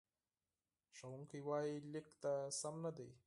ښوونکی وایي، لیک دې سم نه دی.